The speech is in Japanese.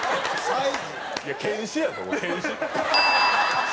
はい。